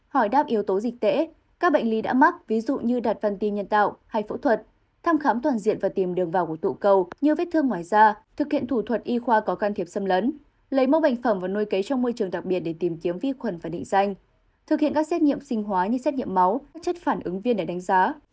hỏi đáp yếu tố dịch tễ các bệnh lý đã mắc ví dụ như đặt văn tim nhân tạo hay phẫu thuật thăm khám toàn diện và tìm đường vào của tụ cầu như vết thương ngoài da thực hiện thủ thuật y khoa có can thiệp xâm lấn lấy mẫu bệnh phẩm và nuôi cấy trong môi trường đặc biệt để tìm kiếm vi khuẩn và định danh thực hiện các xét nghiệm sinh hóa như xét nghiệm máu các chất phản ứng viên để đánh giá